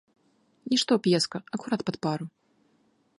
Нішто п'еска, акурат пад пару.